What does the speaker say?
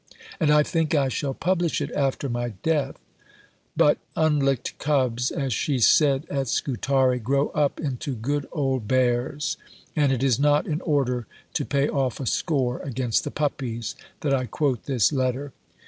And I think I shall publish it after my death." But "unlicked cubs," as she said at Scutari, "grow up into good old bears"; and it is not in order to pay off a score against the "puppies" that I quote this letter.